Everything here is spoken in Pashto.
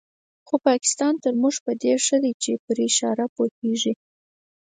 خو پاکستان تر موږ په دې ښه دی چې پر اشاره پوهېږي.